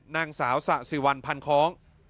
นางสาวสะสิวันพันคล้อง